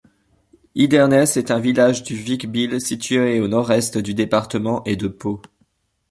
Idernes est un village du Vic-Bilh, situé au nord-est du département et de Pau.